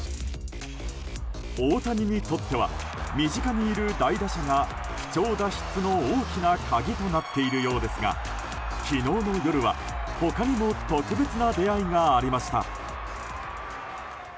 大谷にとっては身近にいる大打者が不調脱出の大きな鍵となっているようですが昨日の夜は、他にも特別な出会いがありました。